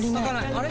あれ？